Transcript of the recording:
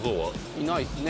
いないっすね